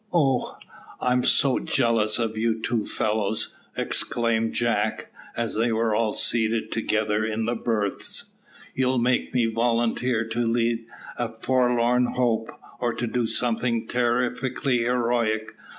"Oh! I am so jealous of you two fellows," exclaimed Jack, as they were all seated together in the berths. "You'll make me volunteer to lead a forlorn hope, or to do something terrifically heroic.